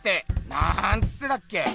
なんつってたっけ？